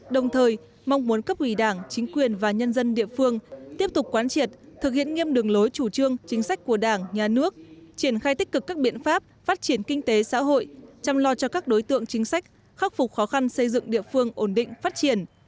đồng thời mong muốn cấp ủy đảng chính quyền và nhân dân địa phương tiếp tục quán triệt thực hiện nghiêm đường lối chủ trương chính sách của đảng nhà nước triển khai tích cực các biện pháp phát triển kinh tế xã hội chăm lo cho các đối tượng chính sách khắc phục khó khăn xây dựng địa phương ổn định phát triển